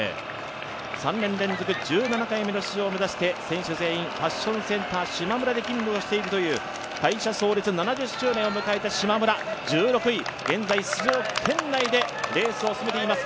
３年連続、１７回目の出場を目指して選手全員、ファッションセンターしまむらで勤務をしているという会社創立７０周年を迎えたしまむら１６位、現在、出場圏内でレースを進めています。